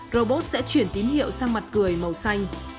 robot sẽ chuyển tín hiệu sang mặt cười màu xanh